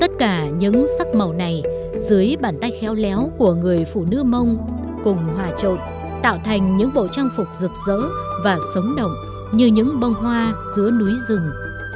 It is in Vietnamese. tất cả những sắc màu này dưới bàn tay khéo léo của người phụ nữ mông cùng hòa trộn tạo thành những bộ trang phục rực rỡ và sống động như những bông hoa giữa núi rừng